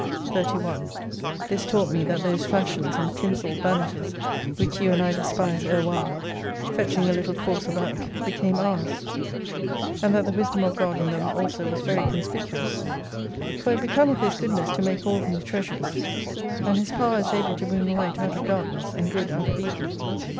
182 31 This taught me that those fashions and tinseled vanities, which you and I despise erewhile, fetching a little course about, became ours. And that the Wisdom of God in them also was very conspicuous. For it becometh His Goodness to make all things treasures : and His Power is able to bring Light out of Darkness, and Good out of Evil.